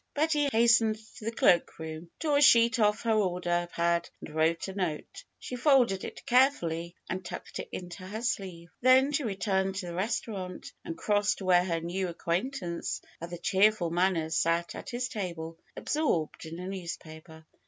Betty hastened to the cloak room, tore a sheet off her order pad, and wrote a note. She folded it care fully and tucked it into her sleeve. Then she returned to the restaurant and crossed to where her new ac quaintance of the cheerful manners sat at his table, absorbed in a newspaper.